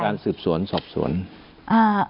เอธบินนี่คือการทำสืบสวนสอบสวน